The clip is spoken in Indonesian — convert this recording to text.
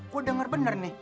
gue dengar benar nih